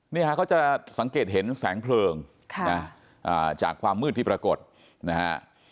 เนี่ยฮะเขาจะสังเกตเห็นแสงเพลิงจากความมืดที่ปรากฏนะฮะ